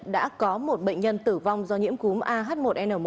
đã có một bệnh nhân tử vong do nhiễm cúm ah một n một